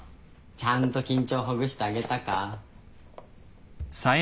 ちゃんと緊張ほぐしてあげたか？